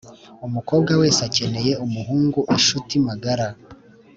umukobwa wese akeneye umuhungu inshuti magara.